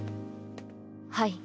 はい。